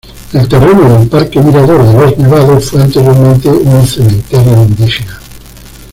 El terreno del parque Mirador de los Nevados fue anteriormente un cementerio indígena.